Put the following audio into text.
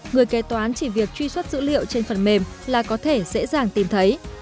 người kế toán chỉ việc truy xuất dữ liệu trên phần mềm là có thể dễ dàng tìm thấy